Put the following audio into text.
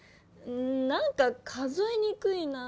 なんか数えにくいなぁ。